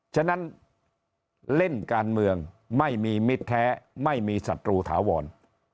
ฉะนั้นเล่นการเมืองไม่มีมิตรแท้ไม่มีศัตรูถาวร